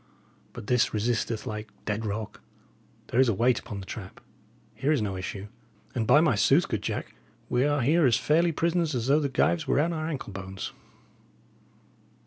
But this resisteth like dead rock. There is a weight upon the trap. Here is no issue; and, by my sooth, good Jack, we are here as fairly prisoners as though the gyves were on our ankle bones.